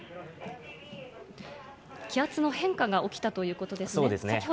気圧の変化が起きたということですね。